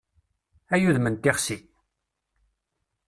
Ay udem n tixsi!